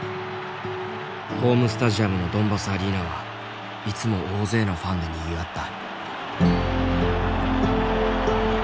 ホームスタジアムのドンバスアリーナはいつも大勢のファンでにぎわった。